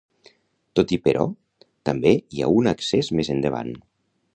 Tot i però, també hi ha un accés més endavant.